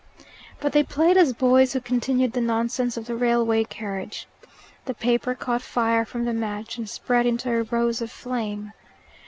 But they played as boys who continued the nonsense of the railway carriage. The paper caught fire from the match, and spread into a rose of flame.